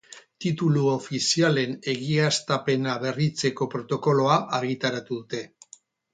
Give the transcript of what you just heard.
Titulu ofizialen Egiaztapena Berritzeko Protokoloa argitaratu dute.